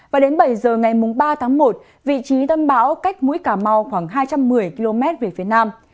và đến bảy giờ ngày ba tháng một vị trí tâm bão cách mũi cà mau khoảng hai trăm một mươi km về phía nam